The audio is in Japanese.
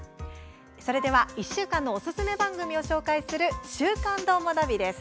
それでは、１週間のおすすめ番組を紹介する「週刊どーもナビ」です。